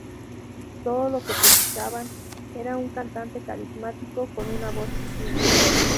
Todo lo que precisaban era un cantante carismático con una voz distinta.